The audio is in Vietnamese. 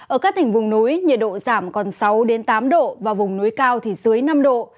ở các tỉnh vùng núi nhiệt độ giảm còn sáu tám độ và vùng núi cao thì dưới năm độ